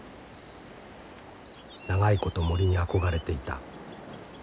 長いこと森に憧れていた。